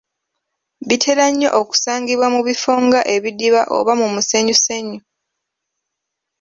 Bitera nnyo okusangibwa mu bifo nga ebidiba oba mu musenyusenyu.